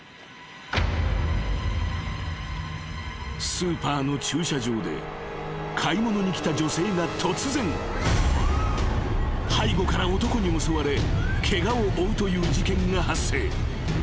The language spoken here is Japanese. ［スーパーの駐車場で買い物に来た女性が突然背後から男に襲われケガを負うという事件が発生］